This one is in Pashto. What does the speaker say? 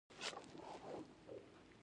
اشواګوشا یو لوی شاعر او فیلسوف و